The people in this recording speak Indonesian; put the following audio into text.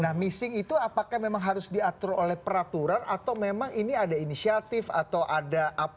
nah missing itu apakah memang harus diatur oleh peraturan atau memang ini ada inisiatif atau ada apa